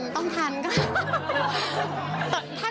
ทันต้องทันค่ะ